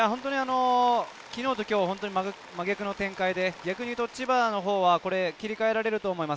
昨日と今日、真逆の展開で、千葉は切り替えられると思います。